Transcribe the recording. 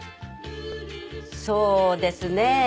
そうですね。